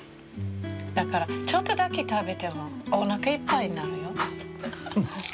だからちょっとだけ食べてもおなかいっぱいになるよ。